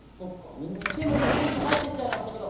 でも今コンビニ入ってっちゃいましたけど。